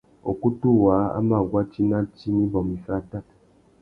Ukutu waā a mà guá tsi nà tsi nà ibômô iffê atát.